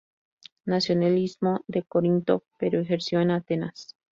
Nació en el istmo de Corinto pero ejerció en Atenas.